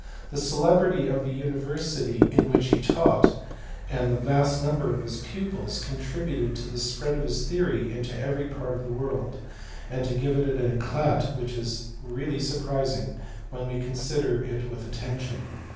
The celebrity of the university in which he taught, and the vast number of his pupils, contributed to spread this theory into every part of the world, and to give it an eclat which is really surprising, when we consider it with attention.